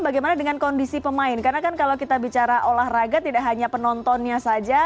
bagaimana dengan kondisi pemain karena kan kalau kita bicara olahraga tidak hanya penontonnya saja